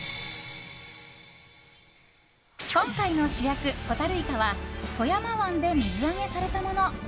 今回の主役、ホタルイカは富山湾で水揚げされたもの。